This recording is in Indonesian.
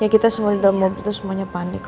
kita semua di dalam mobil itu semuanya panik